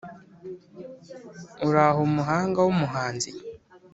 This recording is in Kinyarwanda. uraho muhanga w’umuhanzi